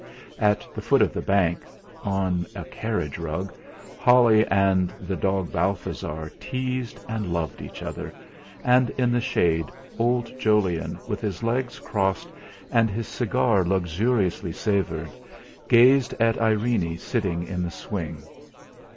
At the foot of the bank, on a carriage rug, Holly and the dog Balthasar teased and loved each other, and in the shade old Jolyon with his legs crossed and his cigar luxuriously savoured, gazed at Irene sitting in the swing.